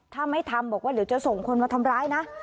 ถ้าไม่ทำบอกว่าเดี๋ยวจะส่งคนมาทำร้ายนะ